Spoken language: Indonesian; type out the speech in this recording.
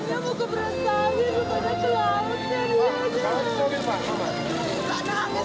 apaan yang mau ke lautnya nak